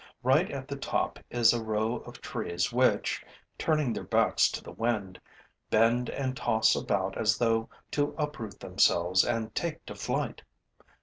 Right at the top is a row of trees which, turning their backs to the wind, bend and toss about as though to uproot themselves and take to flight.